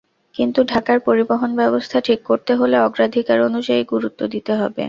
কিন্তু ঢাকার পরিবহনব্যবস্থা ঠিক করতে হলে অগ্রাধিকার অনুযায়ী গুরুত্ব দিতে হবে।